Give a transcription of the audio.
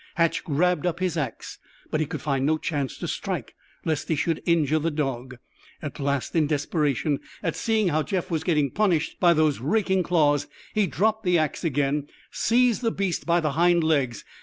Hatch grabbed up his axe. But he could find no chance to strike, lest he should injure the dog. At last, in desperation at seeing how Jeff was getting punished by those raking claws, he dropped the axe again and seized the beast by the hind legs.